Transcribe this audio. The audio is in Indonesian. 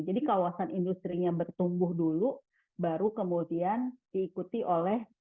jadi kawasan industri nya bertumbuh dulu baru kemudian diikuti oleh ruas tol jawa